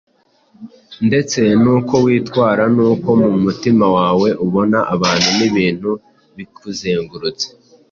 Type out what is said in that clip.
ndetse n’uko witwara, n’uko mu mutima wawe ubona abantu n’ibintu bikuzengurutse.